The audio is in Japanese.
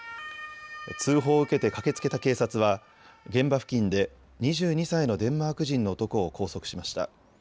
通報を受けて駆けつけた警察は現場付近で２２歳のデンマーク人の男を拘束しました。